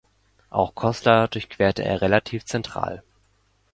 Auch Koslar durchquert er relativ zentral.